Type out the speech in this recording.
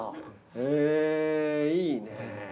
へぇいいね。